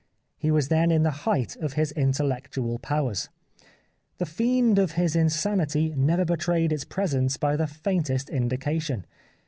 He was then in the height of his intellectual powers. The fiend of his insanity never betrayed its presence by the faintest indication.